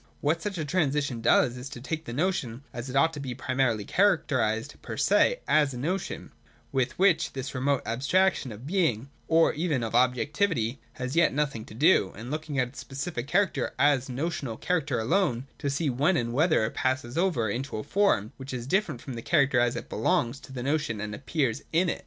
Wliat such a transition does, is to take the notion, as it ought to be primarily characterised per se as a notion, with which this remote abstraction of being, or even of objectivity, has as yet nothing to do, and looking at its specific character as a notional character alone, to see when and whether it passes over into a form which is different from the character as it belongs to the notion and appears in it.